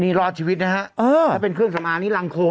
นี่รอดชีวิตนะฮะถ้าเป็นเครื่องสำอางนี่รังโค